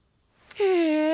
へえ！